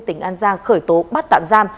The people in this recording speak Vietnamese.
tỉnh an giang khởi tố bắt tạm giam